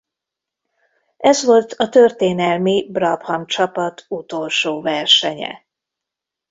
Ez volt a történelmi Brabham csapat utolsó versenye.